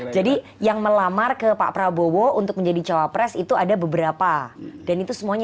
jadi yang melamar ke pak prabowo untuk menjadi jawab pres itu ada beberapa dan itu semuanya